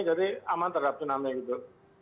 jadi aman terhadap tsunami gitu